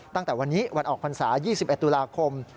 ตั้งแต่วันนี้วันออกภัณฑ์ศาสตร์๒๑ตุลาคม